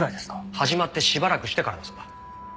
始まってしばらくしてからだそうだ。